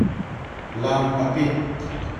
Lam a pit.